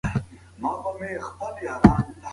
عملي ګامونه پورته کول پکار دي.